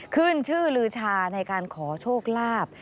ขึ้นชื่อลือชาในการขอโชคลาภ